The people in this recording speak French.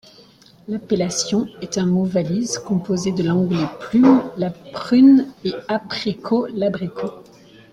L'appellation est un mot-valise composé de l'anglais plum, la prune et apricot, l'abricot.